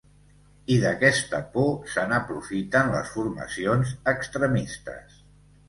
I d’aquesta por se n’aprofiten les formacions extremistes.